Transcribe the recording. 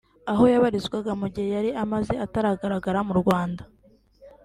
aho yabarizwaga mu gihe yari amaze atagaragara mu Rwanda